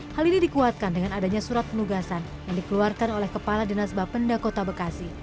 hal ini dikuatkan dengan adanya surat penugasan yang dikeluarkan oleh kepala dinas bapenda kota bekasi